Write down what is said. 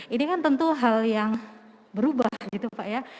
ini kan tentu hal yang berubah gitu pak ya